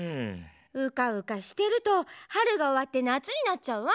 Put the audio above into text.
うかうかしてると春がおわって夏になっちゃうわ。